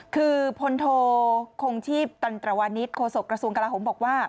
คือพลโทคงชีพตันตรวานิสโฆษกระทรวงกลาโหมบอกว่า